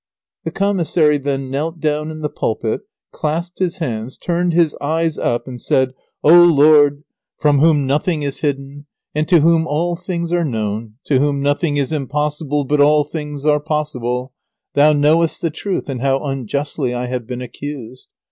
The commissary then knelt down in the pulpit, clasped his hands, turned his eyes up, and said: "O Lord! from whom nothing is hidden, and to whom all things are known, to whom nothing is impossible but all things are possible, Thou knowest the truth and how unjustly I have been accused.